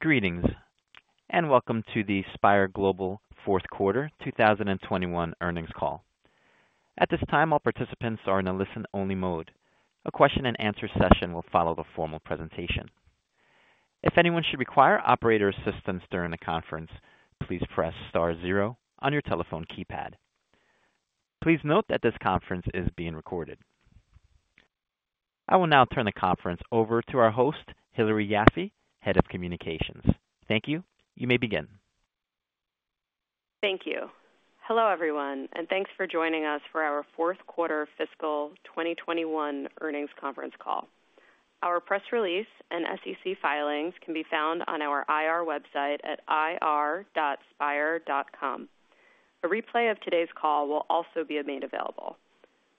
Greetings and welcome to the Spire Global Fourth Quarter 2021 Earnings Call. At this time, all participants are in a listen-only mode. A question and answer session will follow the formal presentation. If anyone should require operator assistance during the conference, please press star zero on your telephone keypad. Please note that this conference is being recorded. I will now turn the conference over to our host, Hillary Yaffe, Head of Communications. Thank you. You may begin. Thank you. Hello, everyone, and thanks for joining us for our fourth quarter fiscal 2021 earnings conference call. Our press release and SEC filings can be found on our IR website at ir.spire.com. A replay of today's call will also be made available.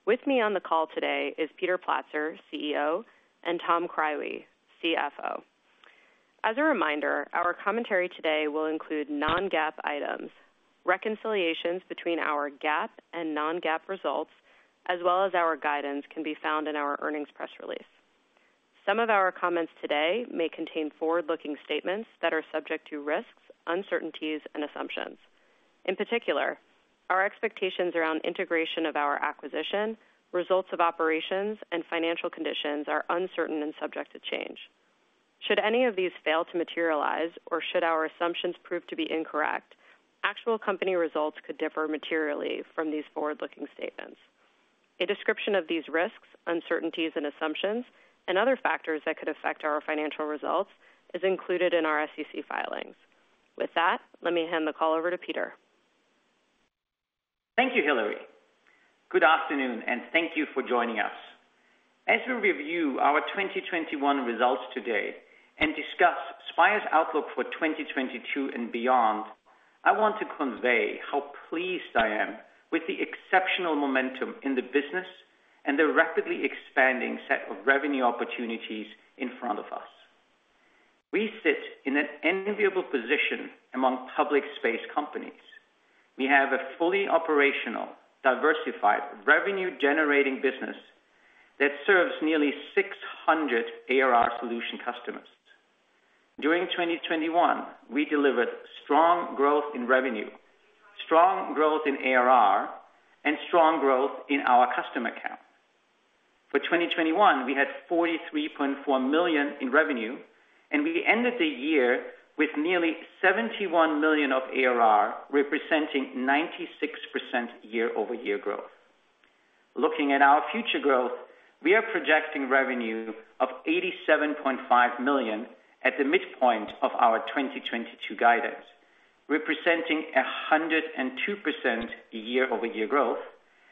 With me on the call today is Peter Platzer, CEO, and Tom Krywe, CFO. As a reminder, our commentary today will include non-GAAP items. Reconciliations between our GAAP and non-GAAP results, as well as our guidance, can be found in our earnings press release. Some of our comments today may contain forward-looking statements that are subject to risks, uncertainties, and assumptions. In particular, our expectations around integration of our acquisition, results of operations, and financial conditions are uncertain and subject to change. Should any of these fail to materialize or should our assumptions prove to be incorrect, actual company results could differ materially from these forward-looking statements. A description of these risks, uncertainties, and assumptions, and other factors that could affect our financial results is included in our SEC filings. With that, let me hand the call over to Peter. Thank you, Hillary. Good afternoon, and thank you for joining us. As we review our 2021 results today and discuss Spire's outlook for 2022 and beyond, I want to convey how pleased I am with the exceptional momentum in the business and the rapidly expanding set of revenue opportunities in front of us. We sit in an enviable position among public space companies. We have a fully operational, diversified, revenue-generating business that serves nearly 600 ARR solution customers. During 2021, we delivered strong growth in revenue, strong growth in ARR, and strong growth in our customer count. For 2021, we had $43.4 million in revenue, and we ended the year with nearly $71 million of ARR, representing 96% year-over-year growth. Looking at our future growth, we are projecting revenue of $87.5 million at the midpoint of our 2022 guidance, representing 102% year-over-year growth,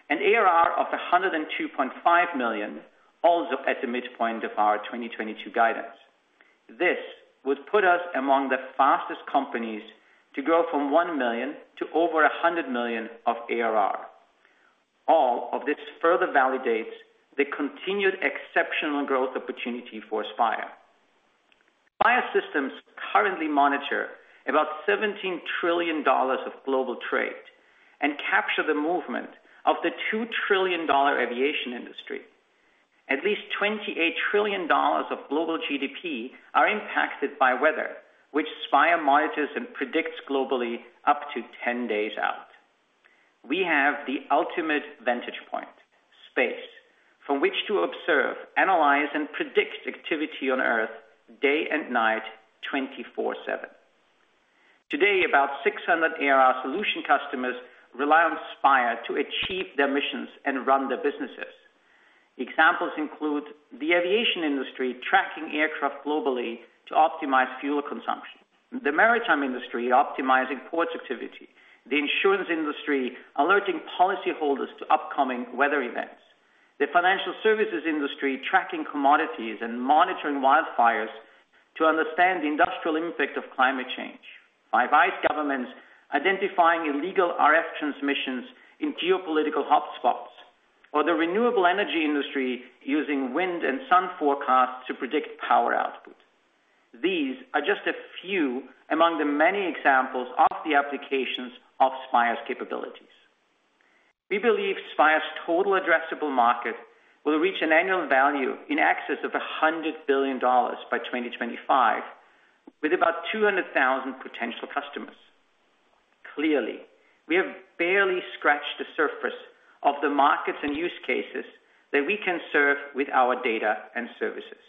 and ARR of $102.5 million, also at the midpoint of our 2022 guidance. This would put us among the fastest companies to grow from $1 million to over $100 million of ARR. All of this further validates the continued exceptional growth opportunity for Spire. Spire systems currently monitor about $17 trillion of global trade and capture the movement of the $2 trillion aviation industry. At least $28 trillion of global GDP are impacted by weather, which Spire monitors and predicts globally up to 10 days out. We have the ultimate vantage point space, from which to observe, analyze, and predict activity on Earth day and night, 24/7. Today, about 600 ARR solution customers rely on Spire to achieve their missions and run their businesses. Examples include the aviation industry tracking aircraft globally to optimize fuel consumption. The maritime industry optimizing port activity. The insurance industry alerting policyholders to upcoming weather events. The financial services industry tracking commodities and monitoring wildfires to understand the industrial impact of climate change. Various governments identifying illegal RF transmissions in geopolitical hotspots or the renewable energy industry using wind and sun forecasts to predict power output. These are just a few among the many examples of the applications of Spire's capabilities. We believe Spire's total addressable market will reach an annual value in excess of $100 billion by 2025, with about 200,000 potential customers. Clearly, we have barely scratched the surface of the markets and use cases that we can serve with our data and services.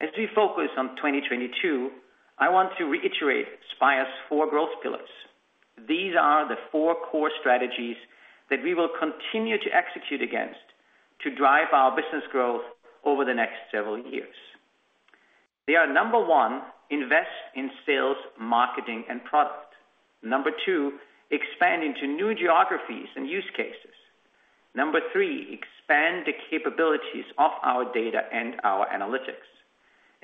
As we focus on 2022, I want to reiterate Spire's four growth pillars. These are the four core strategies that we will continue to execute against to drive our business growth over the next several years. They are, number one, invest in sales, marketing, and product. Number two, expand into new geographies and use cases. Number three, expand the capabilities of our data and our analytics.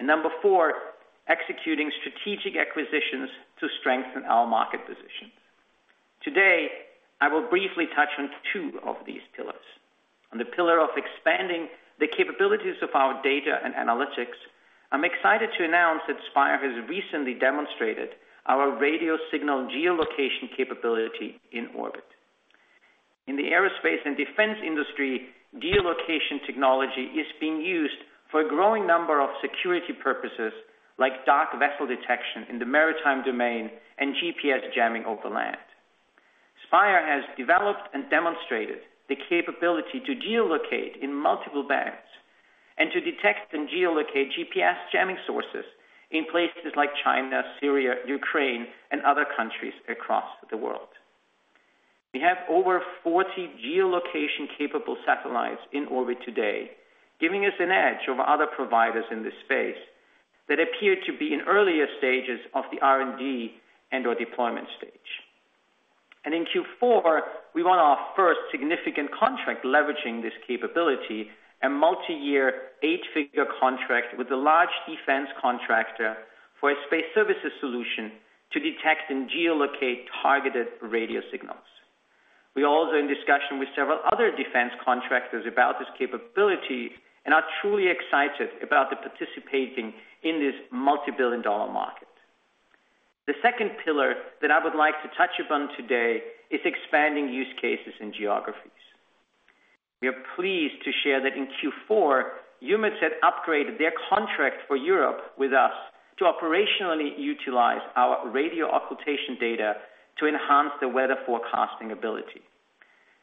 Number four, executing strategic acquisitions to strengthen our market position. Today, I will briefly touch on two of these pillars. On the pillar of expanding the capabilities of our data and analytics, I'm excited to announce that Spire has recently demonstrated our radio signal geolocation capability in orbit. In the aerospace and defense industry, geolocation technology is being used for a growing number of security purposes, like dark vessel detection in the maritime domain and GPS jamming over land. Spire has developed and demonstrated the capability to geolocate in multiple bands and to detect and geolocate GPS jamming sources in places like China, Syria, Ukraine, and other countries across the world. We have over 40 geolocation-capable satellites in orbit today, giving us an edge over other providers in this space that appear to be in earlier stages of the R&D and/or deployment stage. In Q4, we won our first significant contract leveraging this capability, a multi-year eight-figure contract with a large defense contractor for a space services solution to detect and geolocate targeted radio signals. We are also in discussion with several other defense contractors about this capability and are truly excited about participating in this multi-billion-dollar market. The second pillar that I would like to touch upon today is expanding use cases and geographies. We are pleased to share that in Q4, EUMETSAT upgraded their contract for Europe with us to operationally utilize our radio occultation data to enhance the weather forecasting ability.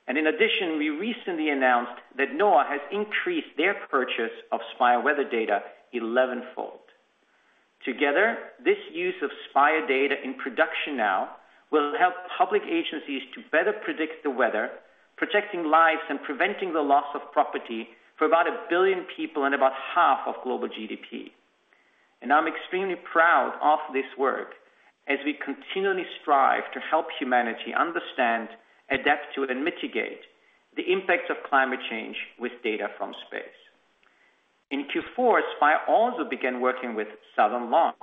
In addition, we recently announced that NOAA has increased their purchase of Spire weather data elevenfold. Together, this use of Spire data in production now will help public agencies to better predict the weather, protecting lives and preventing the loss of property for about a billion people and about 1/2 of global GDP. I'm extremely proud of this work as we continually strive to help humanity understand, adapt to, and mitigate the impacts of climate change with data from space. In Q4, Spire also began working with Southern Launch,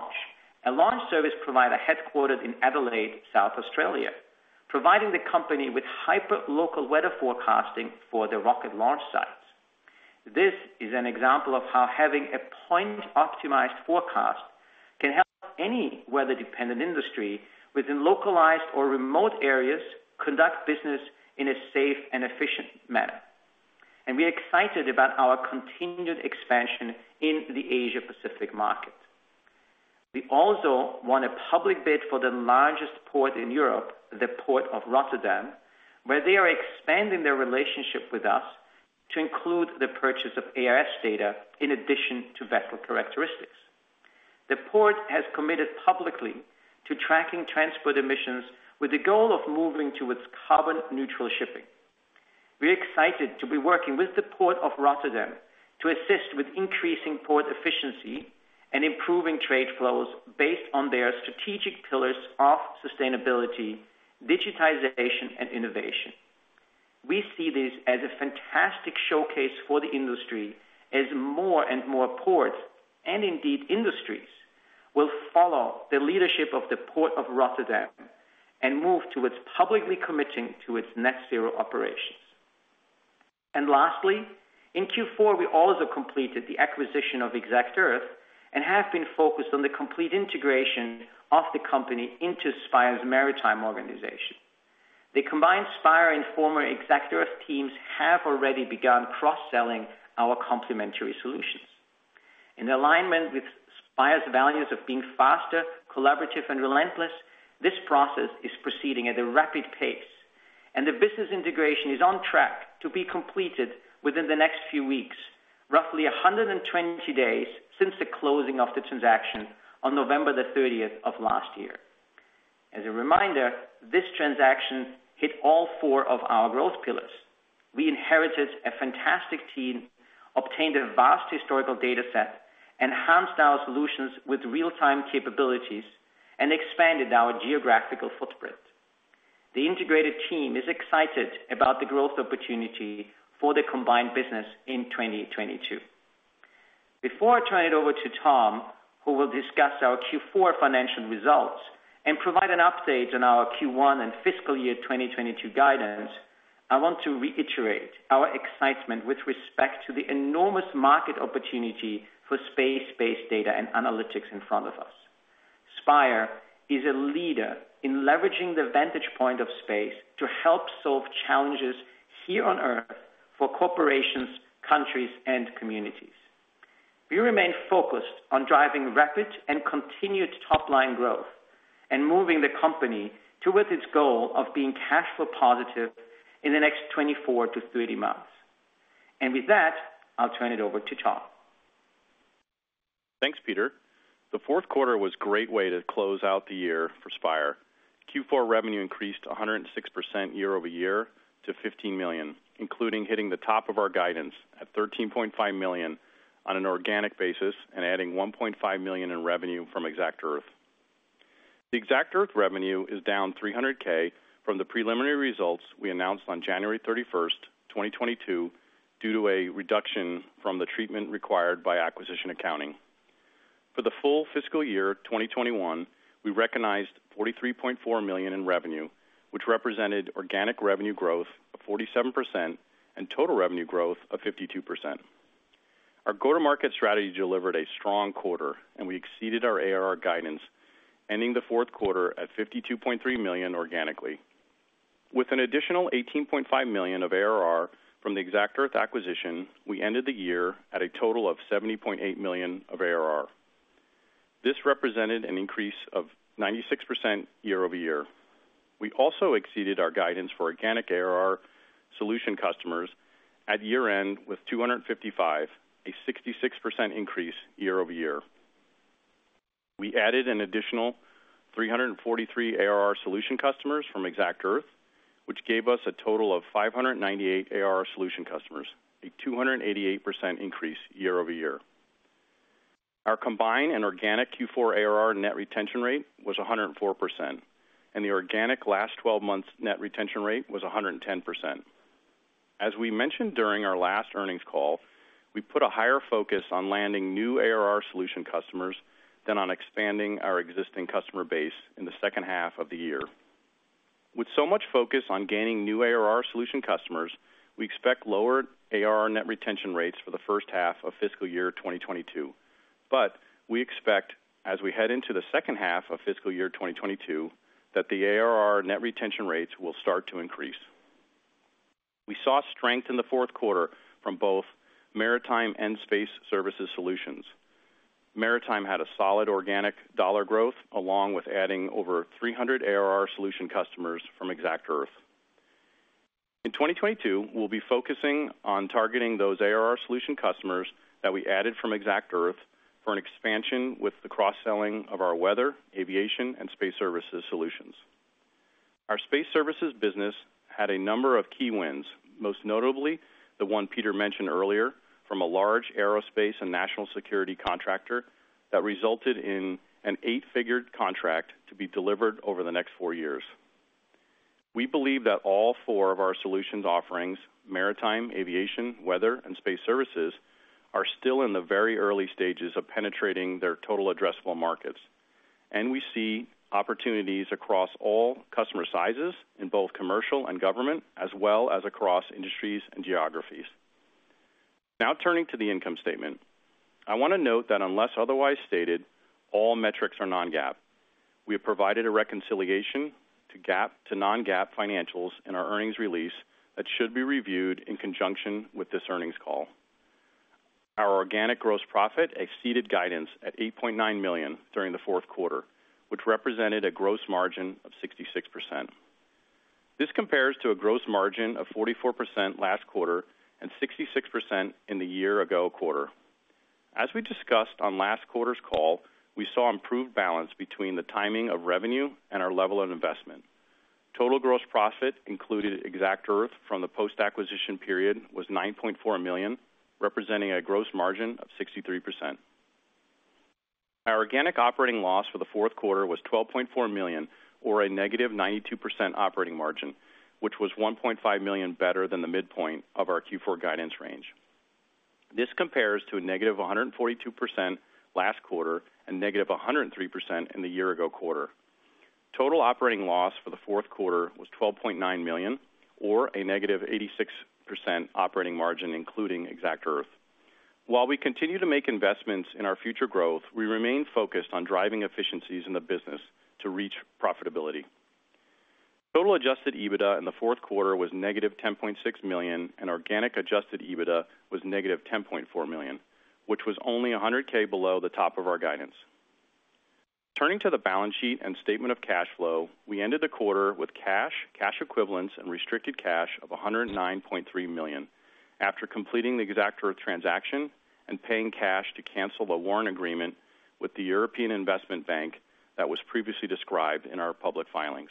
a launch service provider headquartered in Adelaide, South Australia, providing the company with hyperlocal weather forecasting for the rocket launch sites. This is an example of how having a point-optimized forecast can help any weather-dependent industry within localized or remote areas conduct business in a safe and efficient manner. We are excited about our continued expansion in the Asia-Pacific market. We also won a public bid for the largest port in Europe, the Port of Rotterdam, where they are expanding their relationship with us to include the purchase of AIS data in addition to vessel characteristics. The port has committed publicly to tracking transport emissions with the goal of moving towards carbon-neutral shipping. We're excited to be working with the Port of Rotterdam to assist with increasing port efficiency and improving trade flows based on their strategic pillars of sustainability, digitization, and innovation. We see this as a fantastic showcase for the industry as more and more ports, and indeed industries, will follow the leadership of the Port of Rotterdam and move towards publicly committing to its net zero operations. Lastly, in Q4, we also completed the acquisition of exactEarth and have been focused on the complete integration of the company into Spire's maritime organization. The combined Spire and former exactEarth teams have already begun cross-selling our complementary solutions. In alignment with Spire's values of being faster, collaborative, and relentless, this process is proceeding at a rapid pace, and the business integration is on track to be completed within the next few weeks, roughly 120 days since the closing of the transaction on November 30th of last year. As a reminder, this transaction hit all four of our growth pillars. We inherited a fantastic team, obtained a vast historical data set, enhanced our solutions with real-time capabilities, and expanded our geographical footprint. The integrated team is excited about the growth opportunity for the combined business in 2022. Before I turn it over to Tom, who will discuss our Q4 financial results and provide an update on our Q1 and fiscal year 2022 guidance, I want to reiterate our excitement with respect to the enormous market opportunity for space-based data and analytics in front of us. Spire is a leader in leveraging the vantage point of space to help solve challenges here on Earth for corporations, countries, and communities. We remain focused on driving rapid and continued top-line growth and moving the company towards its goal of being cash flow positive in the next 24 to 30 months. With that, I'll turn it over to Tom. Thanks, Peter. The fourth quarter was a great way to close out the year for Spire. Q4 revenue increased 106% year-over-year to $15 million, including hitting the top of our guidance at $13.5 million on an organic basis and adding $1.5 million in revenue from exactEarth. The exactEarth revenue is down $300K from the preliminary results we announced on January 31st, 2022, due to a reduction from the treatment required by acquisition accounting. For the full fiscal year 2021, we recognized $43.4 million in revenue, which represented organic revenue growth of 47% and total revenue growth of 52%. Our go-to-market strategy delivered a strong quarter, and we exceeded our ARR guidance, ending the fourth quarter at $52.3 million organically. With an additional $18.5 million of ARR from the exactEarth acquisition, we ended the year at a total of $70.8 million of ARR. This represented an increase of 96% year-over-year. We also exceeded our guidance for organic ARR solution customers at year-end with 255, a 66% increase year-over-year. We added an additional 343 ARR solution customers from exactEarth, which gave us a total of 598 ARR solution customers, a 288% increase year-over-year. Our combined and organic Q4 ARR net retention rate was 104%, and the organic last 12 months net retention rate was 110%. As we mentioned during our last earnings call, we put a higher focus on landing new ARR solution customers than on expanding our existing customer base in the second half of the year. With so much focus on gaining new ARR solution customers, we expect lower ARR net retention rates for the first half of fiscal year 2022. We expect, as we head into the second half of fiscal year 2022, that the ARR net retention rates will start to increase. We saw strength in the fourth quarter from both maritime and space services solutions. Maritime had a solid organic dollar growth, along with adding over 300 ARR solution customers from exactEarth. In 2022, we'll be focusing on targeting those ARR solution customers that we added from exactEarth for an expansion with the cross-selling of our weather, aviation, and space services solutions. Our space services business had a number of key wins, most notably the one Peter mentioned earlier from a large aerospace and national security contractor that resulted in an eight-figure contract to be delivered over the next four years. We believe that all four of our solutions offerings, maritime, aviation, weather, and space services, are still in the very early stages of penetrating their total addressable markets, and we see opportunities across all customer sizes in both commercial and government, as well as across industries and geographies. Now turning to the income statement. I wanna note that unless otherwise stated, all metrics are non-GAAP. We have provided a reconciliation from GAAP to non-GAAP financials in our earnings release that should be reviewed in conjunction with this earnings call. Our organic gross profit exceeded guidance at $8.9 million during the fourth quarter, which represented a gross margin of 66%. This compares to a gross margin of 44% last quarter and 66% in the year ago quarter. As we discussed on last quarter's call, we saw improved balance between the timing of revenue and our level of investment. Total gross profit included exactEarth from the post-acquisition period was $9.4 million, representing a gross margin of 63%. Our organic operating loss for the fourth quarter was $12.4 million or a negative -92% operating margin, which was $1.5 million better than the midpoint of our Q4 guidance range. This compares to a negative -142% last quarter and negative -103% in the year ago quarter. Total operating loss for the fourth quarter was $12.9 million or a -86% operating margin, including exactEarth. While we continue to make investments in our future growth, we remain focused on driving efficiencies in the business to reach profitability. Total adjusted EBITDA in the fourth quarter was -$10.6 million, and organic adjusted EBITDA was -$10.4 million, which was only $100K below the top of our guidance. Turning to the balance sheet and statement of cash flow, we ended the quarter with cash equivalents, and restricted cash of $109.3 million after completing the exactEarth transaction and paying cash to cancel the warrant agreement with the European Investment Bank that was previously described in our public filings.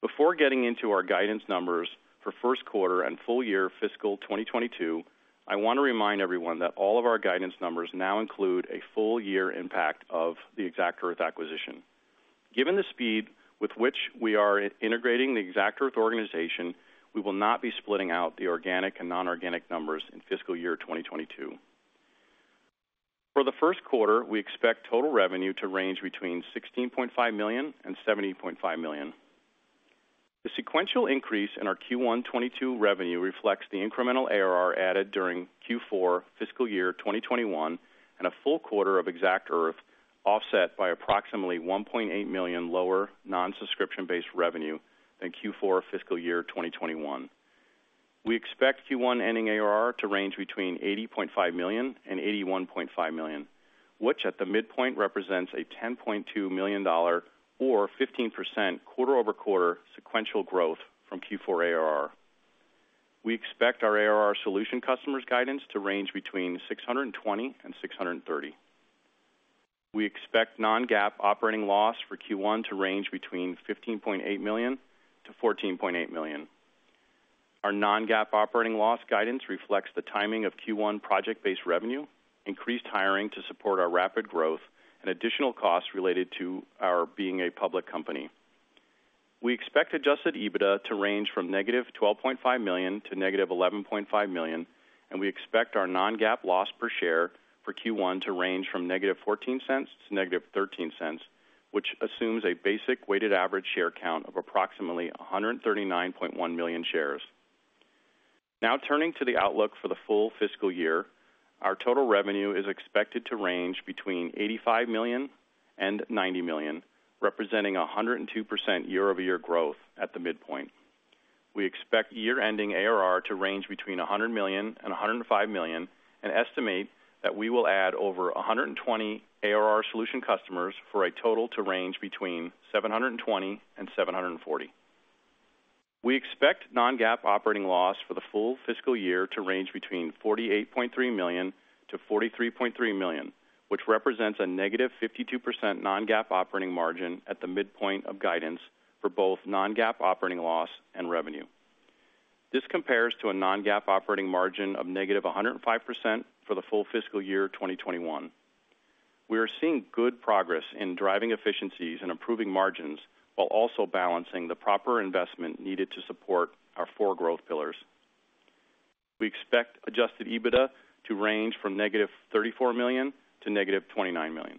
Before getting into our guidance numbers for first quarter and full year fiscal 2022, I wanna remind everyone that all of our guidance numbers now include a full year impact of the exactEarth acquisition. Given the speed with which we are integrating the exactEarth organization, we will not be splitting out the organic and non-organic numbers in fiscal year 2022. For the first quarter, we expect total revenue to range between $16.5 million and $17.5 million. The sequential increase in our Q1 2022 revenue reflects the incremental ARR added during Q4 fiscal year 2021 and a full quarter of exactEarth, offset by approximately $1.8 million lower non-subscription-based revenue than Q4 fiscal year 2021. We expect Q1 ending ARR to range between $80.5 million and $81.5 million, which at the midpoint represents a $10.2 million or 15% quarter-over-quarter sequential growth from Q4 ARR. We expect our ARR solution customers guidance to range between 620 and 630. We expect non-GAAP operating loss for Q1 to range between $15.8 million and $14.8 million. Our non-GAAP operating loss guidance reflects the timing of Q1 project-based revenue, increased hiring to support our rapid growth, and additional costs related to our being a public company. We expect adjusted EBITDA to range from -$12.5 million to -$11.5 million, and we expect our non-GAAP loss per share for Q1 to range from -$0.14 to -$0.13. Which assumes a basic weighted average share count of approximately 139.1 million shares. Now turning to the outlook for the full fiscal year. Our total revenue is expected to range between $85 million and $90 million, representing 102% year-over-year growth at the midpoint. We expect year-ending ARR to range between $100 million and $105 million, and estimate that we will add over 120 ARR solution customers for a total to range between 720 and 740. We expect non-GAAP operating loss for the full fiscal year to range between $48.3 million-$43.3 million, which represents a -52% non-GAAP operating margin at the midpoint of guidance for both non-GAAP operating loss and revenue. This compares to a non-GAAP operating margin of -105% for the full fiscal year 2021. We are seeing good progress in driving efficiencies and improving margins, while also balancing the proper investment needed to support our four growth pillars. We expect adjusted EBITDA to range from -$34 million to -$29 million.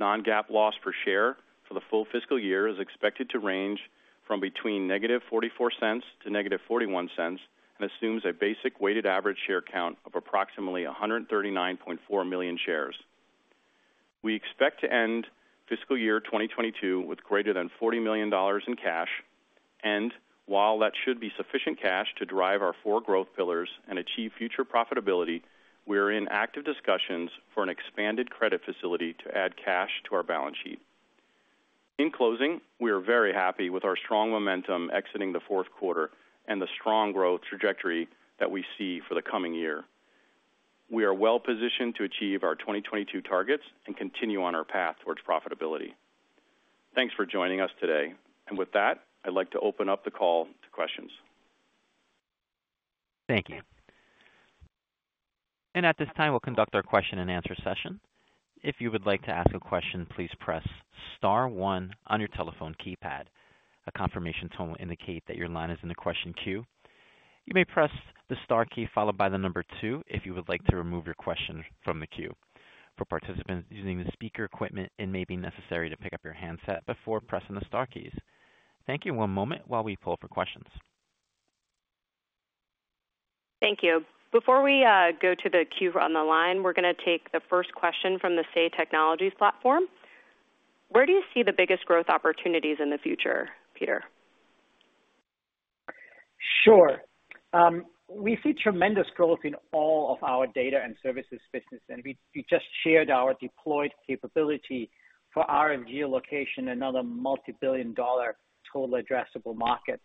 Non-GAAP loss per share for the full fiscal year is expected to range from between -$0.44 to -$0.41, and assumes a basic weighted average share count of approximately 139.4 million shares. We expect to end fiscal year 2022 with greater than $40 million in cash. While that should be sufficient cash to drive our four growth pillars and achieve future profitability, we are in active discussions for an expanded credit facility to add cash to our balance sheet. In closing, we are very happy with our strong momentum exiting the fourth quarter and the strong growth trajectory that we see for the coming year. We are well-positioned to achieve our 2022 targets and continue on our path towards profitability. Thanks for joining us today. With that, I'd like to open up the call to questions. Thank you. At this time, we'll conduct our question and answer session. If you would like to ask a question, please press star one on your telephone keypad. A confirmation tone will indicate that your line is in the question queue. You may press the star key followed by the number two if you would like to remove your question from the queue. For participants using the speaker equipment, it may be necessary to pick up your handset before pressing the star keys. Thank you. One moment while we pull for questions. Thank you. Before we go to the queue on the line, we're gonna take the first question from the Say Technologies platform. Where do you see the biggest growth opportunities in the future, Peter? Sure. We see tremendous growth in all of our data and services business, and we just shared our deployed capability for RF geolocation, another multi-billion-dollar total addressable market.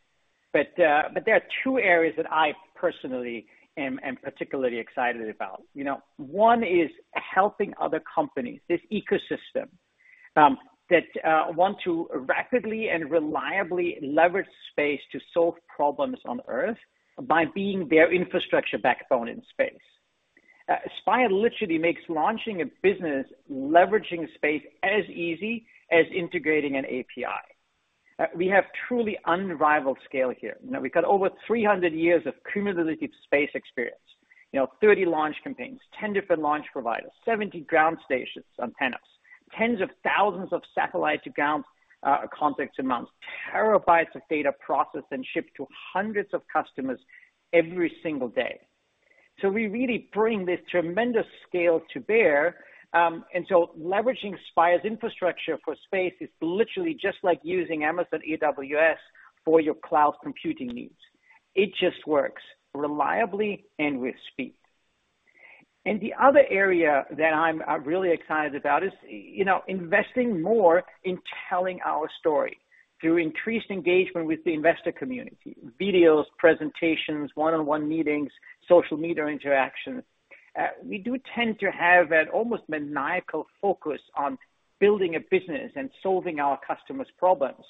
There are two areas that I personally am particularly excited about. You know, one is helping other companies, this ecosystem, that want to rapidly and reliably leverage space to solve problems on Earth by being their infrastructure backbone in space. Spire literally makes launching a business leveraging space as easy as integrating an API. We have truly unrivaled scale here. You know, we've got over 300 years of cumulative space experience. You know, 30 launch campaigns, 10 different launch providers, 70 ground stations, antennas, tens of thousands of satellite to ground contacts a month, terabytes of data processed and shipped to hundreds of customers every single day. We really bring this tremendous scale to bear. Leveraging Spire's infrastructure for space is literally just like using Amazon AWS for your cloud computing needs. It just works reliably and with speed. The other area that I'm really excited about is investing more in telling our story through increased engagement with the investor community. Videos, presentations, one-on-one meetings, social media interactions. We do tend to have an almost maniacal focus on building a business and solving our customers' problems.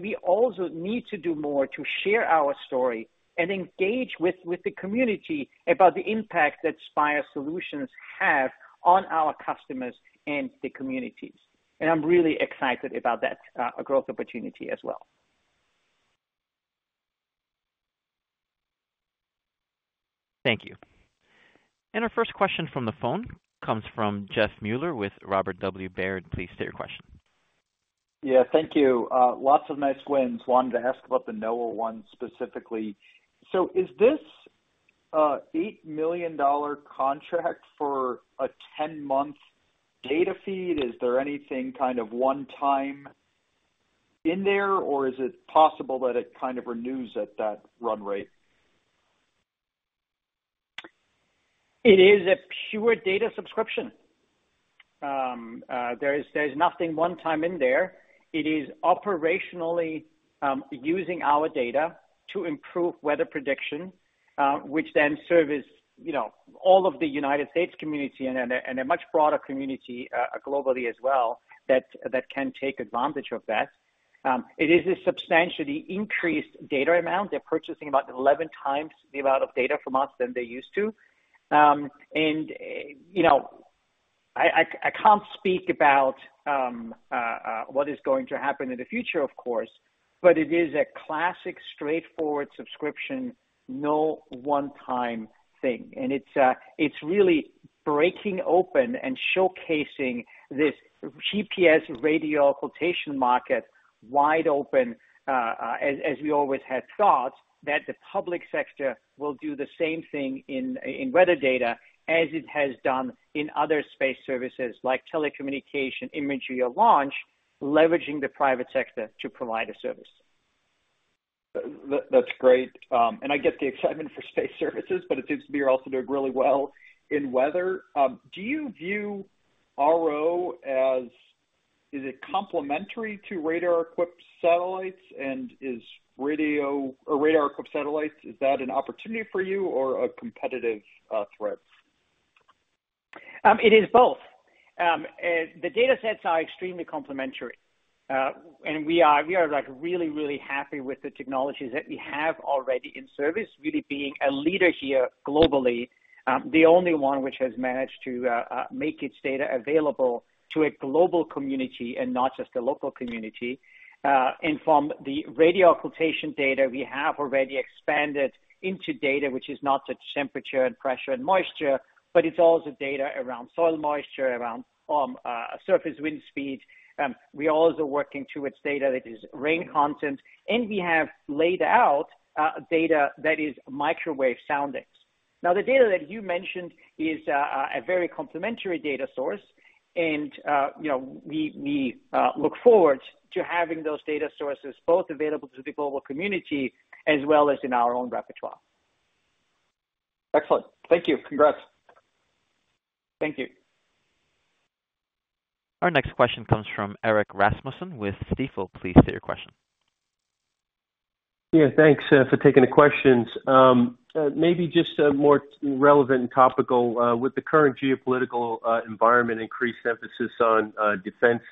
We also need to do more to share our story and engage with the community about the impact that Spire solutions have on our customers and the communities. I'm really excited about that growth opportunity as well. Thank you. Our first question from the phone comes from Jeff Meuler with Robert W. Baird. Please state your question. Yeah. Thank you. Lots of nice wins. Wanted to ask about the NOAA one specifically. Is this $8 million contract for a 10-month data feed, is there anything kind of one time in there, or is it possible that it kind of renews at that run rate? It is a pure data subscription. There's nothing one time in there. It is operationally using our data to improve weather prediction, which then service, you know, all of the United States community and a much broader community globally as well that can take advantage of that. It is a substantially increased data amount. They're purchasing about 11 times the amount of data from us than they used to. You know, I can't speak about what is going to happen in the future, of course. It is a classic straightforward subscription, no one-time thing. It's really breaking open and showcasing this GPS radio occultation market wide open, as we always had thought that the public sector will do the same thing in weather data as it has done in other space services like telecommunication, imagery, or launch, leveraging the private sector to provide a service. That's great. I get the excitement for space services. It seems you're also doing really well in weather. Do you view RO as complementary to radar-equipped satellites? Is radio or radar-equipped satellites an opportunity for you or a competitive threat? It is both. The datasets are extremely complementary. We are like really happy with the technologies that we have already in service, really being a leader here globally, the only one which has managed to make its data available to a global community and not just a local community. From the radio occultation data, we have already expanded into data which is not the temperature and pressure and moisture, but it's also data around soil moisture, around surface wind speed. We also working towards data that is rain content, and we have laid out data that is microwave soundings. Now, the data that you mentioned is a very complementary data source, and you know, we look forward to having those data sources both available to the global community as well as in our own repertoire. Excellent. Thank you. Congrats. Thank you. Our next question comes from Erik Rasmussen with Stifel. Please state your question. Yeah, thanks for taking the questions. Maybe just more relevant and topical with the current geopolitical environment increased emphasis on defense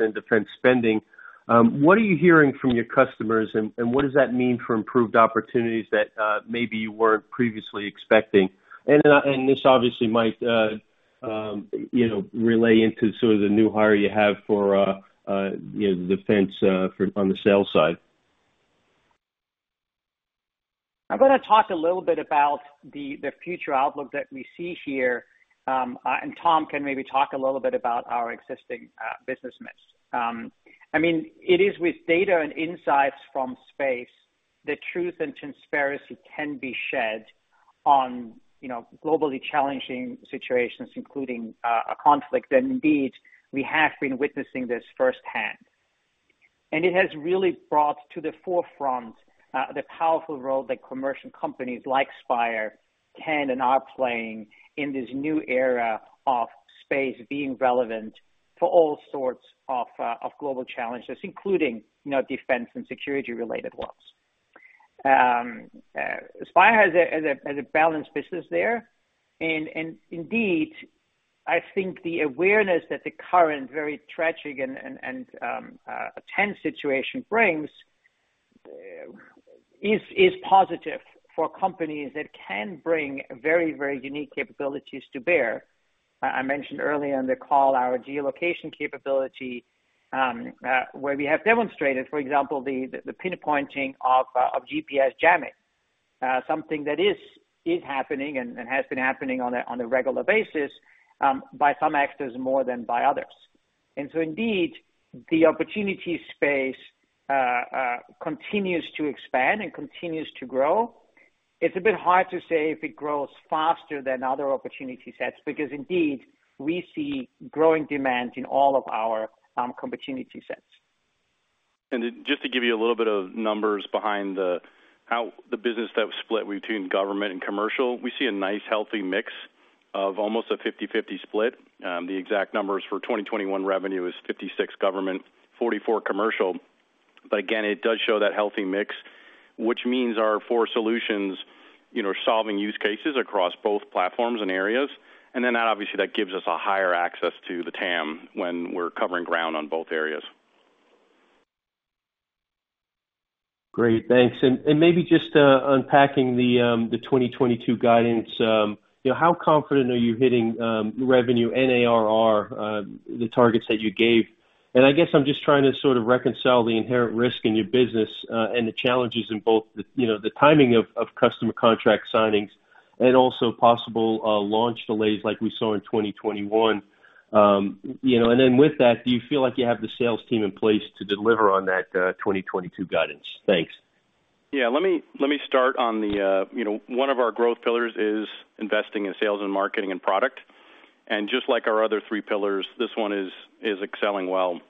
spending, what are you hearing from your customers, and what does that mean for improved opportunities that maybe you weren't previously expecting? This obviously might, you know, relate to sort of the new hire you have for, you know, defense on the sales side. I'm gonna talk a little bit about the future outlook that we see here. Tom can maybe talk a little bit about our existing business mix. I mean, it is with data and insights from space that truth and transparency can be shed on, you know, globally challenging situations, including a conflict. Indeed, we have been witnessing this firsthand. It has really brought to the forefront the powerful role that commercial companies like Spire can and are playing in this new era of space being relevant for all sorts of global challenges, including, you know, defense and security-related ones. Spire has a balanced business there. Indeed, I think the awareness that the current very tragic and tense situation brings is positive for companies that can bring very unique capabilities to bear. I mentioned earlier in the call our geolocation capability, where we have demonstrated, for example, the pinpointing of GPS jamming. Something that is happening and has been happening on a regular basis by some actors more than by others. Indeed, the opportunity space continues to expand and continues to grow. It's a bit hard to say if it grows faster than other opportunity sets, because indeed we see growing demand in all of our opportunity sets. Just to give you a little bit of numbers behind how the business that was split between government and commercial. We see a nice healthy mix of almost a 50/50 split. The exact numbers for 2021 revenue is 56% government, 44% commercial. It does show that healthy mix, which means our four solutions, you know, solving use cases across both platforms and areas. That gives us a higher access to the TAM when we're covering ground on both areas. Great. Thanks. Maybe just unpacking the 2022 guidance. You know, how confident are you hitting revenue and ARR, the targets that you gave? I guess I'm just trying to sort of reconcile the inherent risk in your business and the challenges in both the, you know, the timing of customer contract signings and also possible launch delays like we saw in 2021. You know, with that, do you feel like you have the sales team in place to deliver on that 2022 guidance? Thanks. Yeah. Let me start on the, you know, one of our growth pillars is investing in sales and marketing and product. Just like our other three pillars, this one is excelling well.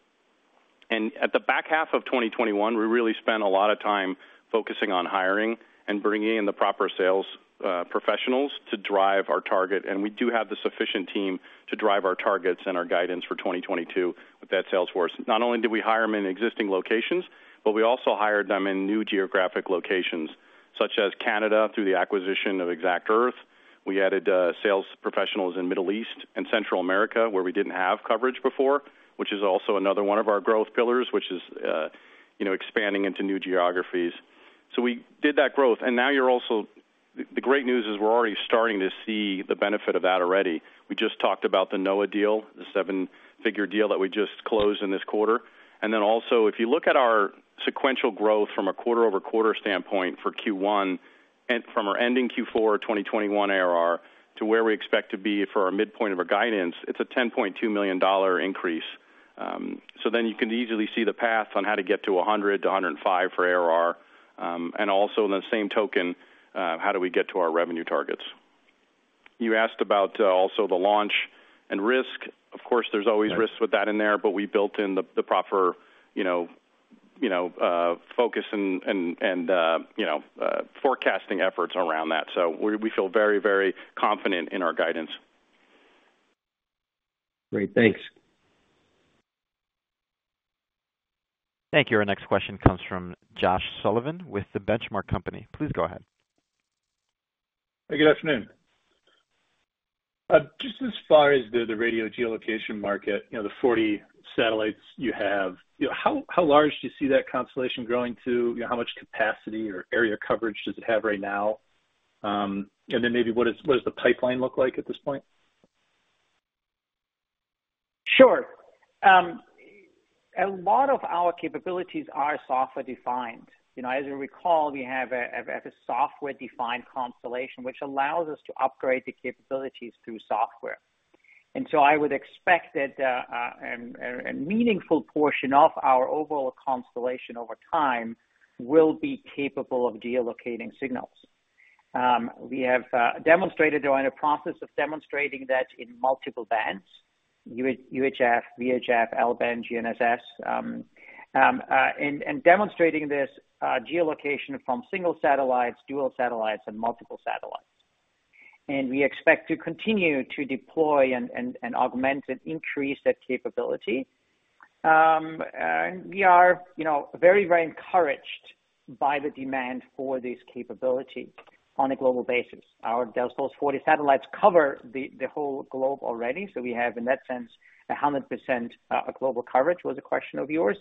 At the back half of 2021, we really spent a lot of time focusing on hiring and bringing in the proper sales professionals to drive our target. We do have the sufficient team to drive our targets and our guidance for 2022 with that sales force. Not only did we hire them in existing locations, but we also hired them in new geographic locations such as Canada through the acquisition of exactEarth. We added sales professionals in Middle East and Central America, where we didn't have coverage before, which is also another one of our growth pillars, which is, you know, expanding into new geographies. We did that growth. Now you're also. The great news is we're already starting to see the benefit of that already. We just talked about the NOAA deal, the seven-figure deal that we just closed in this quarter. Then also, if you look at our sequential growth from a quarter-over-quarter standpoint for Q1 and from our ending Q4 2021 ARR to where we expect to be for our midpoint of our guidance, it's a $10.2 million increase. You can easily see the path on how to get to 100-105 for ARR. By the same token, how do we get to our revenue targets. You asked about also the launch and risk. Of course, there's always risks with that in there, but we built in the proper, you know, focus and you know forecasting efforts around that. We feel very confident in our guidance. Great. Thanks. Thank you. Our next question comes from Josh Sullivan with The Benchmark Company. Please go ahead. Hey, good afternoon. Just as far as the radio geolocation market, you know, the 40 satellites you have. You know, how large do you see that constellation growing to? You know, how much capacity or area coverage does it have right now? Then maybe what does the pipeline look like at this point? Sure. A lot of our capabilities are software-defined. You know, as you recall, we have a software-defined constellation which allows us to upgrade the capabilities through software. I would expect that a meaningful portion of our overall constellation over time will be capable of geolocating signals. We have demonstrated or in the process of demonstrating that in multiple bands, UHF, VHF, L-band, GNSS, and demonstrating this geolocation from single satellites, dual satellites, and multiple satellites. We expect to continue to deploy and augment and increase that capability. We are, you know, very, very encouraged by the demand for this capability on a global basis. Those 40 satellites cover the whole globe already. We have, in that sense, 100% global coverage, that was a question of yours.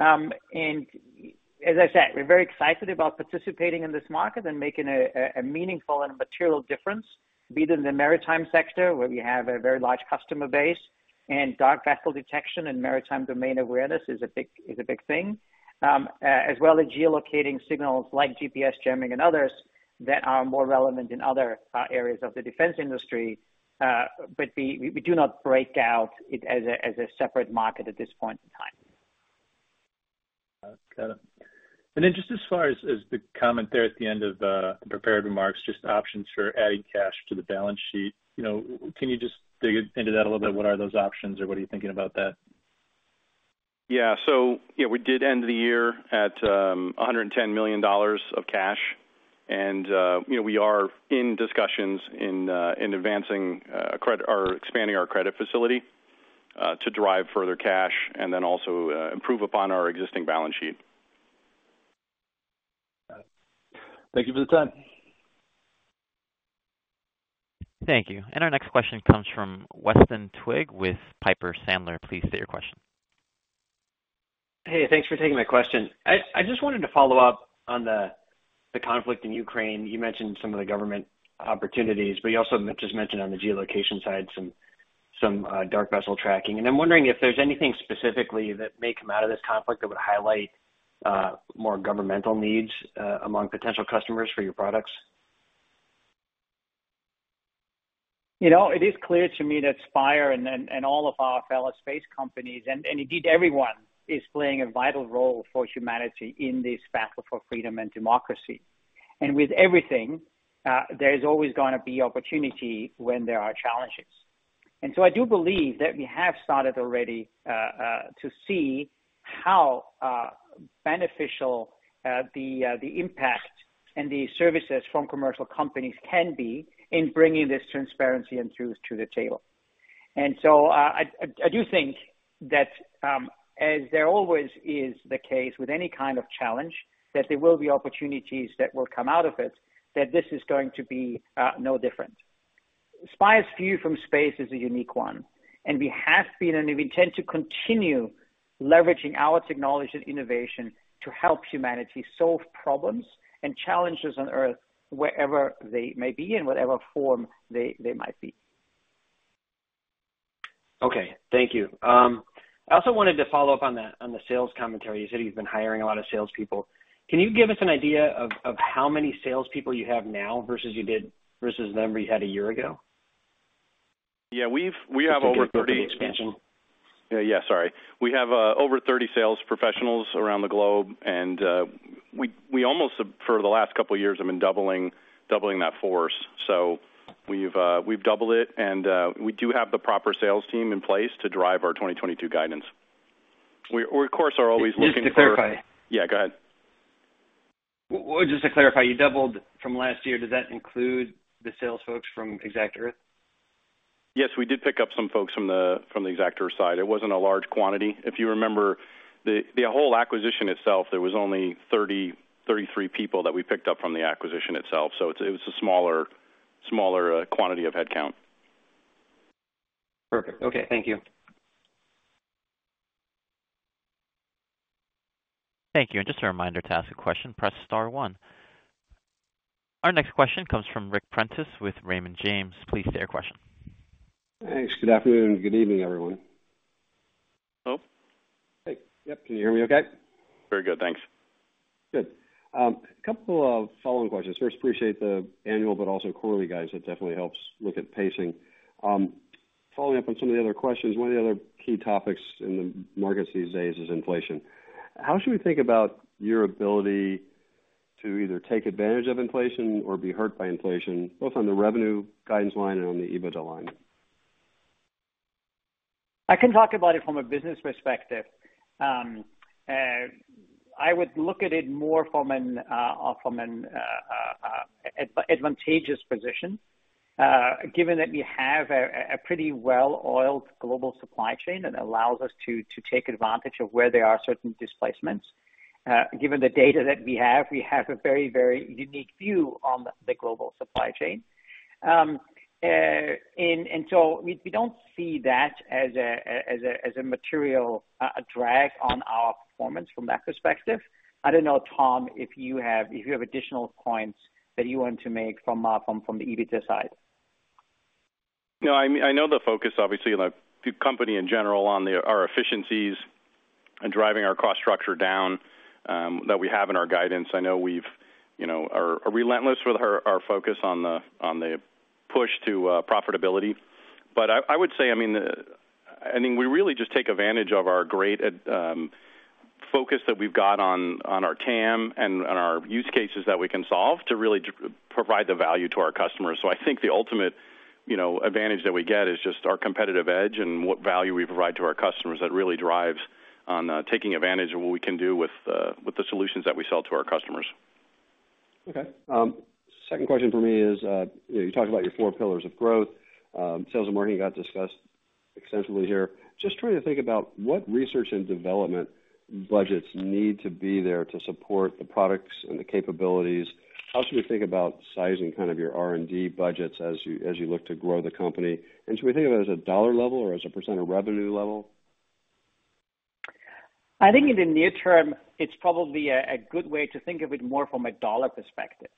As I said, we're very excited about participating in this market and making a meaningful and material difference, be it in the maritime sector, where we have a very large customer base, and dark vessel detection and maritime domain awareness is a big thing. As well as geolocating signals like GPS jamming and others that are more relevant in other areas of the defense industry. We do not break it out as a separate market at this point in time. Got it. Just as far as the comment there at the end of the prepared remarks, just options for adding cash to the balance sheet, you know, can you just dig into that a little bit? What are those options or what are you thinking about that? Yeah, you know, we did end the year at $110 million of cash. You know, we are in discussions in advancing or expanding our credit facility to derive further cash and then also improve upon our existing balance sheet. Got it. Thank you for the time. Thank you. Our next question comes from Weston Twigg with Piper Sandler. Please state your question. Hey, thanks for taking my question. I just wanted to follow up on the conflict in Ukraine. You mentioned some of the government opportunities, but you also just mentioned on the geolocation side some dark vessel tracking. I'm wondering if there's anything specifically that may come out of this conflict that would highlight more governmental needs among potential customers for your products. You know, it is clear to me that Spire and all of our fellow space companies and indeed everyone is playing a vital role for humanity in this battle for freedom and democracy. With everything, there is always gonna be opportunity when there are challenges. I do believe that we have started already to see how beneficial the impact and the services from commercial companies can be in bringing this transparency and truth to the table. I do think that as there always is the case with any kind of challenge, that there will be opportunities that will come out of it, that this is going to be no different. Spire's view from space is a unique one, and we have been and we intend to continue leveraging our technology and innovation to help humanity solve problems and challenges on Earth wherever they may be, in whatever form they might be. Okay. Thank you. I also wanted to follow up on the sales commentary. You said you've been hiring a lot of salespeople. Can you give us an idea of how many salespeople you have now versus the number you had a year ago? We have over 30. Just to get a sense of expansion. Yeah, sorry. We have over 30 sales professionals around the globe, and we almost for the last couple of years have been doubling that force. We've doubled it, and we do have the proper sales team in place to drive our 2022 guidance. We of course are always looking for Just to clarify. Yeah, go ahead. Just to clarify, you doubled from last year. Does that include the sales folks from exactEarth? Yes. We did pick up some folks from the exactEarth side. It wasn't a large quantity. If you remember the whole acquisition itself, there was only 33 people that we picked up from the acquisition itself. It was a smaller quantity of headcount. Perfect. Okay. Thank you. Thank you. Just a reminder to ask a question, press star one. Our next question comes from Ric Prentiss with Raymond James. Please state your question. Thanks. Good afternoon and good evening, everyone. Hello. Hey. Yep, can you hear me okay? Very good, thanks. Good. A couple of follow-on questions. First, I appreciate the annual but also quarterly guidance. That definitely helps look at pacing. Following up on some of the other questions, one of the other key topics in the markets these days is inflation. How should we think about your ability to either take advantage of inflation or be hurt by inflation, both on the revenue guidance line and on the EBITDA line? I can talk about it from a business perspective. I would look at it more from an advantageous position, given that we have a pretty well-oiled global supply chain that allows us to take advantage of where there are certain displacements. Given the data that we have, we have a very unique view on the global supply chain. We don't see that as a material drag on our performance from that perspective. I don't know, Tom, if you have additional points that you want to make from the EBITDA side. No, I mean, I know the focus, obviously, the company in general on our efficiencies and driving our cost structure down that we have in our guidance. I know we've, you know, are relentless with our focus on the push to profitability. I would say, I mean, I mean, we really just take advantage of our great focus that we've got on our TAM and on our use cases that we can solve to really provide the value to our customers. I think the ultimate, you know, advantage that we get is just our competitive edge and what value we provide to our customers that really drives on taking advantage of what we can do with the solutions that we sell to our customers. Okay. Second question for me is, you know, you talked about your four pillars of growth. Sales and marketing got discussed extensively here. Just trying to think about what research and development budgets need to be there to support the products and the capabilities. How should we think about sizing kind of your R&D budgets as you look to grow the company? And should we think of it as a dollar level or as a percent of revenue level? I think in the near term, it's probably a good way to think of it more from a dollar perspective.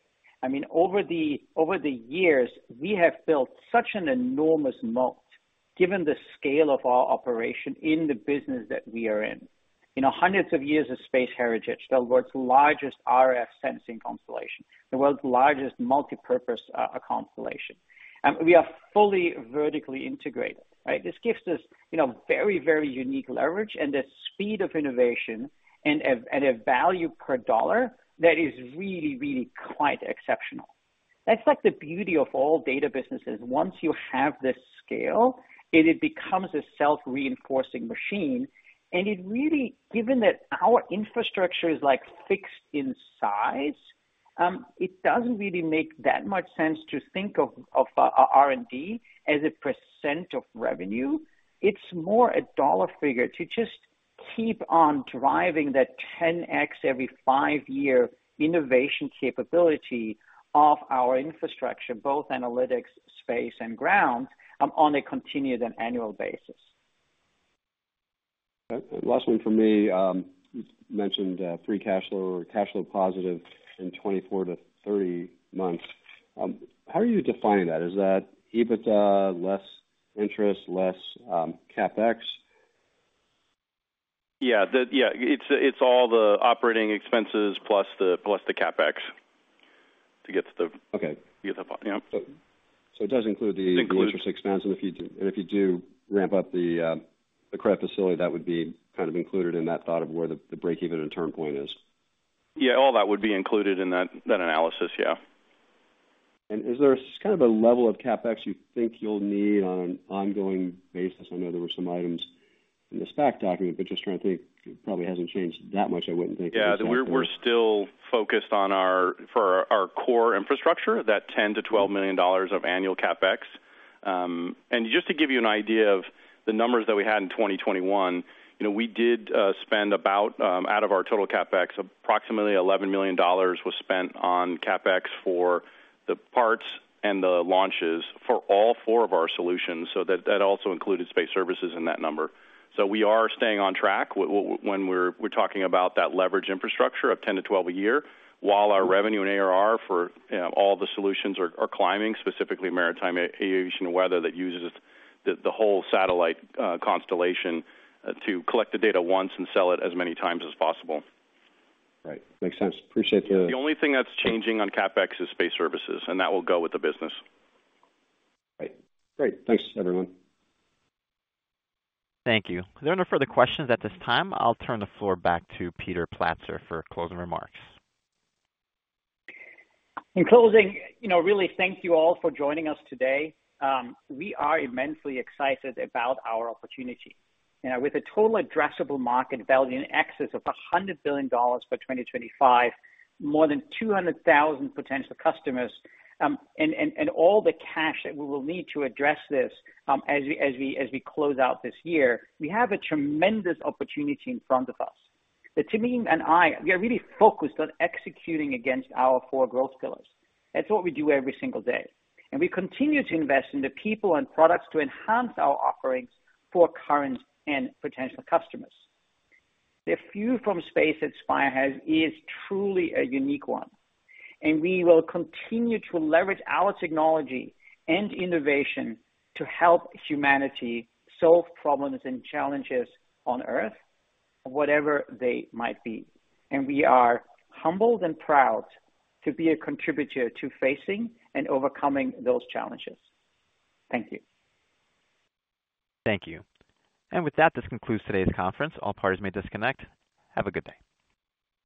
I mean, over the years, we have built such an enormous moat, given the scale of our operation in the business that we are in. You know, hundreds of years of space heritage, the world's largest RF sensing constellation, the world's largest multipurpose constellation. We are fully vertically integrated, right? This gives us, you know, very, very unique leverage and the speed of innovation and a value per dollar that is really, really quite exceptional. That's like the beauty of all data businesses. Once you have this scale, it becomes a self-reinforcing machine. It really, given that our infrastructure is, like, fixed in size, it doesn't really make that much sense to think of R&D as a percent of revenue. It's more a dollar figure to just keep on driving that 10x every five-year innovation capability of our infrastructure, both analytics, space and ground, on a continued and annual basis. Okay. Last one from me. You mentioned free cash flow or cash flow positive in 24 to 30 months. How do you define that? Is that EBITDA less interest, less CapEx? It's all the operating expenses plus the CapEx to get to the- Okay. Yep. It does include the It includes. the interest expense. If you do ramp up the credit facility, that would be kind of included in that thought of where the break-even and turn point is. Yeah. All that would be included in that analysis. Yeah. Is there kind of a level of CapEx you think you'll need on an ongoing basis? I know there were some items in the SPAC document, but just trying to think. It probably hasn't changed that much, I wouldn't think, from SPAC to- Yeah. We're still focused on our core infrastructure, that $10 million-$12 million of annual CapEx. Just to give you an idea of the numbers that we had in 2021, you know, we did spend about, out of our total CapEx, approximately $11 million was spent on CapEx for the parts and the launches for all four of our solutions. That also included space services in that number. We are staying on track when we're talking about that leverage infrastructure of $10 million-$12 million a year, while our revenue and ARR for, you know, all the solutions are climbing, specifically maritime, aviation, weather, that uses the whole satellite constellation to collect the data once and sell it as many times as possible. Right. Makes sense. Appreciate the The only thing that's changing on CapEx is space services, and that will go with the business. Right. Great. Thanks, everyone. Thank you. There are no further questions at this time. I'll turn the floor back to Peter Platzer for closing remarks. In closing, you know, really thank you all for joining us today. We are immensely excited about our opportunity. You know, with a total addressable market value in excess of $100 billion by 2025, more than 200,000 potential customers, and all the cash that we will need to address this, as we close out this year, we have a tremendous opportunity in front of us. The team and I, we are really focused on executing against our four growth pillars. That's what we do every single day. We continue to invest in the people and products to enhance our offerings for current and potential customers. The view from space that Spire has is truly a unique one, and we will continue to leverage our technology and innovation to help humanity solve problems and challenges on Earth, whatever they might be. We are humbled and proud to be a contributor to facing and overcoming those challenges. Thank you. Thank you. With that, this concludes today's conference. All parties may disconnect. Have a good day.